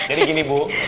jadi gini bu